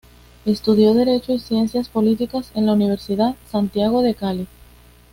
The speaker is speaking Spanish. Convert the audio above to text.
Estudió Derecho y Ciencias Políticas en la Universidad Santiago de Cali.